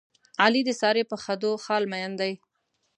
علي د سارې په خدو خال مین دی.